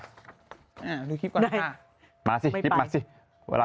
ดูคลิปก่อนนะคะ